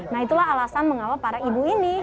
nah itulah alasan mengawal para ibu ini